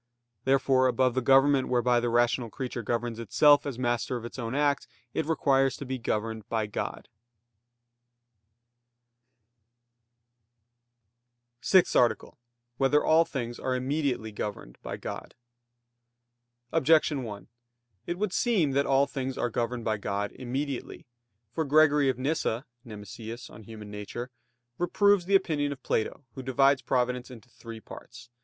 Therefore above the government whereby the rational creature governs itself as master of its own act, it requires to be governed by God. _______________________ SIXTH ARTICLE [I, Q. 103, Art. 6] Whether all things are immediately governed by God? Objection 1: It would seem that all things are governed by God immediately. For Gregory of Nyssa (Nemesius, De Nat. Hom.) reproves the opinion of Plato who divides providence into three parts.